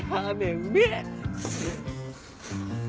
うめえ。